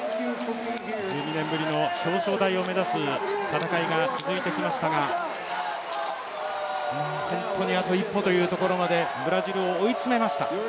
１２年ぶりの表彰台を目指す戦いが続いてきましたが、本当にあと一歩というところまでブラジルを追い詰めました。